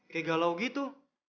kayak galau gitu